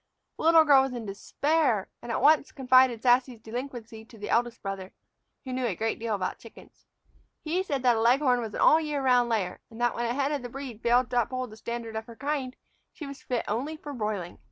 The little girl was in despair, and at once confided Sassy's delinquency to the eldest brother, who knew a great deal about chickens. He said that a leghorn was an all year round layer, and that when a hen of the breed failed to uphold the standard of her kind she was fit only for broiling.